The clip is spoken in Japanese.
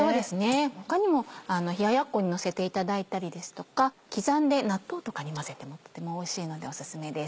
他にも冷ややっこにのせていただいたりですとか刻んで納豆とかに混ぜてもとてもおいしいのでオススメです。